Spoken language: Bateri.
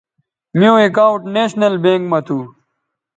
میوں اکاؤنٹ نیشنل بینک مہ تھو